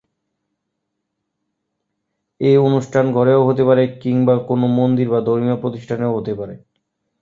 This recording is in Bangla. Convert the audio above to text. এ অনুষ্ঠান ঘরেও হতে পারে, কিংবা কোনো মন্দির বা ধর্মীয় প্রতিষ্ঠানেও হতে পারে।